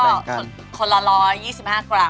แบ่งกันก็ถึงคนละ๑๒๕กรัม